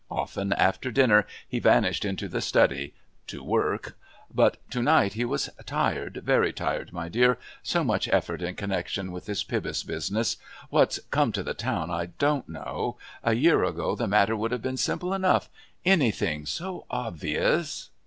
Often, after dinner, he vanished into the study "to work" but to night he was "tired, very tired my dear. So much effort in connection with this Pybus business. What'a come to the town I don't know. A year ago the matter would have been simple enough...anything so obvious...."